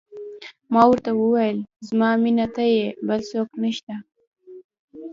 ما ورته وویل: زما مینه ته یې، بل څوک نه شته.